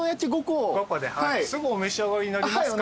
すぐお召し上がりになりますか？